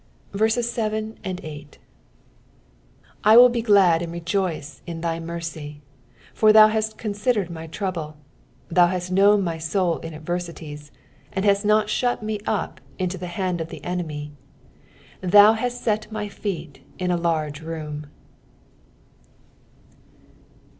7 I will be glad and rejoice in thy mercy : for thou hast con sidered my trouble ; thou hast known my soul in adversities ; S And hast not shut me up into the hand of the enemy : thou hast set my feet in a large room.